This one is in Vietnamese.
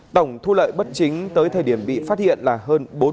tổng thu lợi bất chính tới thời điểm bị phát hiện là hơn bốn mươi bảy triệu đồng